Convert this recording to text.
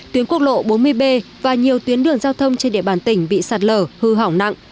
tuyến quốc lộ bốn mươi b và nhiều tuyến đường giao thông trên địa bàn tỉnh bị sạt lở hư hỏng nặng